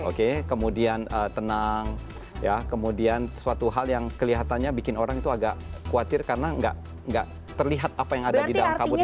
oke kemudian tenang ya kemudian sesuatu hal yang kelihatannya bikin orang itu agak khawatir karena nggak terlihat apa yang ada di dalam kabut